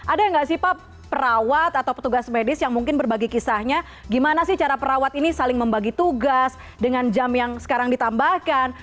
ada nggak sih pak perawat atau petugas medis yang mungkin berbagi kisahnya gimana sih cara perawat ini saling membagi tugas dengan jam yang sekarang ditambahkan